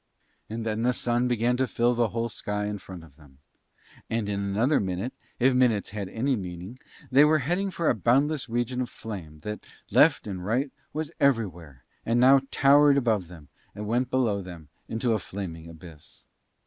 And then the Sun began to fill the whole sky in front of them. And in another minute, if minutes had any meaning, they were heading for a boundless region of flame that, left and right, was everywhere, and now towered above them, and went below them into a flaming abyss.